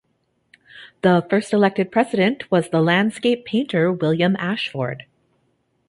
The first elected president was the landscape painter, William Ashford.